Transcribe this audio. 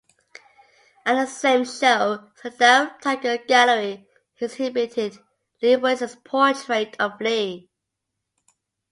At the same show, Sundaram Tagore Gallery exhibited Lee Waisler's portrait of Lee.